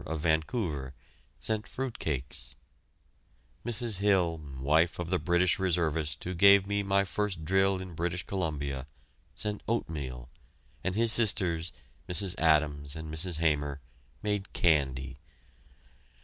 of Vancouver, sent fruit cakes; Mrs. Hill, wife of the British reservist who gave me my first drill in British Columbia, sent oatmeal, and his sisters, Mrs. Adams and Mrs. Hamer, made candy.